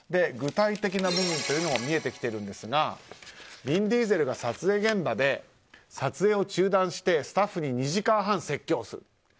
具体的な部分というのが見えてきているんですがヴィン・ディーゼルが撮影現場で撮影を中断してスタッフに２時間半説教する。